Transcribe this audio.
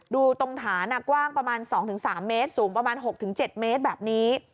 ดูตรงฐานกว้างประมาณ๒๓เมตรสูงประมาณ๖๗เมตรแบบนี้